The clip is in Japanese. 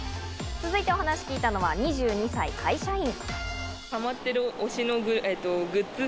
続いてお話を聞いたのは、２２歳会社員。